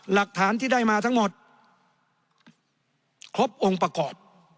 หลักฐานที่ได้มาทั้งหมดครบองค์ประกอบ